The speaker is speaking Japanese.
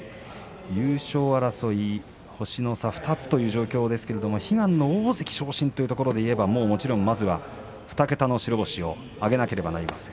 優勝争い星の差２つという状況ですが悲願の大関昇進というところではまずは２桁を挙げなくてはいけません。